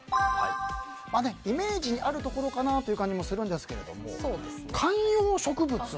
イメージにあるところかなという感じもするんですけども観葉植物。